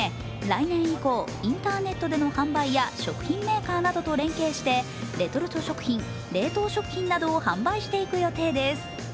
来年以降、インターネットでの販売や食品メーカーなどと連携してレトルト食品、冷凍食品などを販売していく予定です。